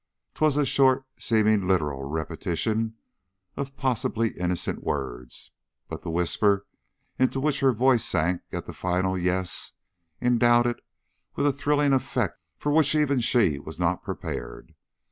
'" 'Twas a short, seemingly literal, repetition of possibly innocent words, but the whisper into which her voice sank at the final "Yes" endowed it with a thrilling effect for which even she was not prepared.